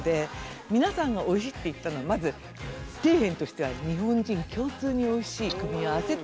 皆さんがおいしいって言ったのはまず底辺としては日本人共通においしい組み合わせそれは言えると思います。